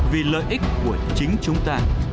vì lợi ích của chính chúng ta